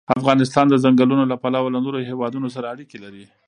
افغانستان د چنګلونه له پلوه له نورو هېوادونو سره اړیکې لري.